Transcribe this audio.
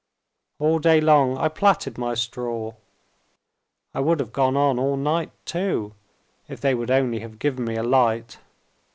All day long I plaited my straw. I would have gone on all night too, if they would only have given me a light.